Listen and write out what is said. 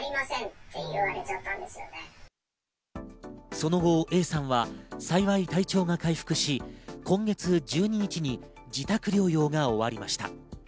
その後Ａさんは幸い体調が回復し、今月１２日に自宅療養が終わりました。